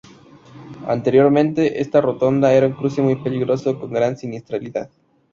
Anteriormente, esta rotonda era un cruce muy peligroso con gran siniestralidad.